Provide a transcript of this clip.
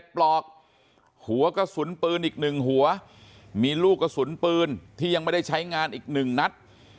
ปลอกหัวกระสุนปืนอีก๑หัวมีลูกกระสุนปืนที่ยังไม่ได้ใช้งานอีก๑นัด